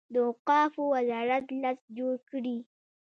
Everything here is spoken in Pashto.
د اوقافو وزارت لست جوړ کړي.